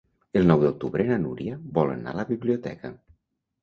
El nou d'octubre na Núria vol anar a la biblioteca.